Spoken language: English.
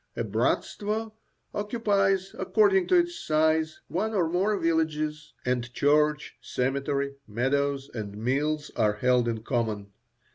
A bratstvo occupies, according to its size, one or more villages; and church, cemetery, meadows, and mills are held in common.